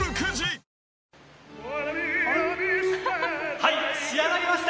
はい、仕上がりました。